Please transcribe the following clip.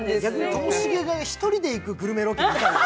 ともしげが１人で行くグルメロケは。